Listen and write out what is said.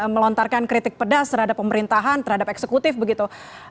melontarkan kritik pedas terhadap pemerintahan terhadap eksekutif begitu